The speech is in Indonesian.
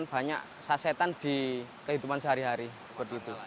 banyak sasetan di kehidupan sehari hari seperti itu